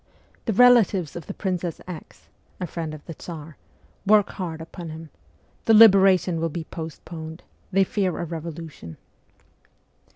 ' The relatives of the Princess X. [a friend of the Tsar] work hard upon him.' ' The liberation will be postponed : they fear a revolution.'